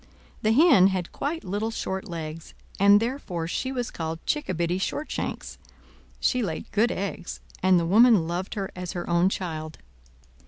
The Hen had quite little short legs, and therefore she was called Chickabiddy Shortshanks; she laid good eggs, and the woman loved her as her own child.